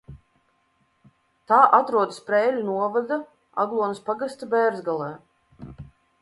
Tā atrodas Preiļu novada Aglonas pagasta Bērzgalē.